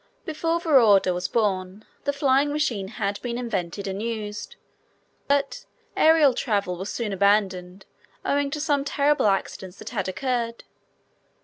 Before Veorda was born the flying machine had been invented and used. But aerial travel was soon abandoned owing to some terrible accidents that had occurred.